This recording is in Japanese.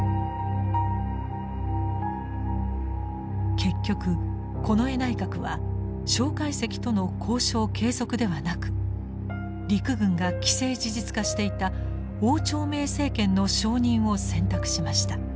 結局近衛内閣は介石との交渉継続ではなく陸軍が既成事実化していた汪兆銘政権の承認を選択しました。